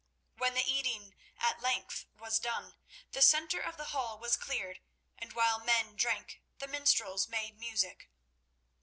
When the eating at length was done, the centre of the hall was cleared, and while men drank, the minstrels made music.